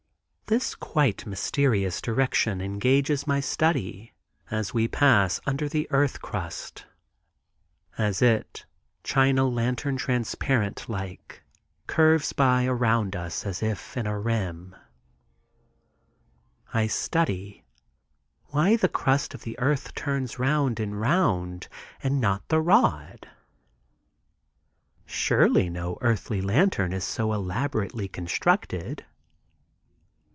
This quite mysterious direction engages my study as we pass under the earth crust, as it, China lantern transparent like, curves by above us as if in a rim. I study; why the crust of the earth turns round and round, and not the rod! Surely no earthly lantern is so elaborately constructed.